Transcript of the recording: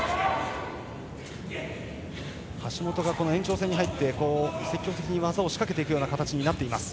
橋本が延長戦に入って積極的に技を仕掛けていく形になっています。